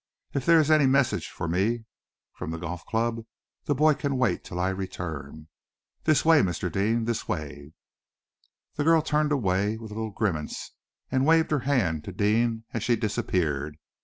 If there is any message for me from the golf club, the boy can wait till I return. This way, Mr. Deane, this way." The girl turned away with a little grimace, and waved her hand to Deane as she disappeared.